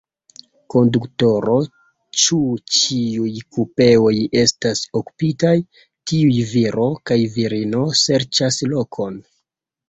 Konduktoro, ĉu ĉiuj kupeoj estas okupitaj? tiuj viro kaj virino serĉas lokon.